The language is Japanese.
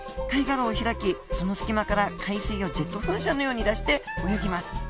貝殻を開きその隙間から海水をジェット噴射のように出して泳ぎます。